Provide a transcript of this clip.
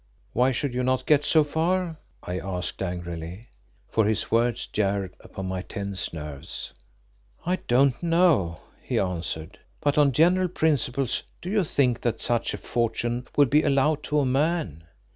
"Why should you not get so far?" I asked angrily, for his words jarred upon my tense nerves. "I don't know," he answered, "but on general principles do you think that such fortune will be allowed to a man?